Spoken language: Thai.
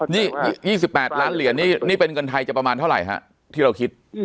นี่๒๘ล้านเหรียญนี่เป็นเงินไทยจะประมาณเท่าไหร่ฮะที่เราคิด